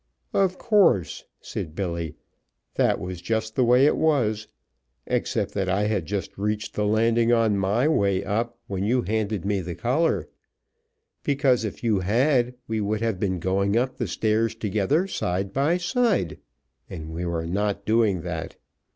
"Of course," said Billy. "That was just the way it was, except that I had just reached the landing on my way up, when you handed me the collar. You couldn't have just reached the landing, because if you had we would have been going up the stairs together, side by side, and we were not doing that.